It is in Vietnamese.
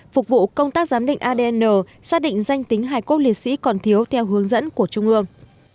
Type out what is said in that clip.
phục vụ công tác giám định adn xác định danh tính hải cốt liệt sĩ còn thiếu theo hướng dẫn của trung ương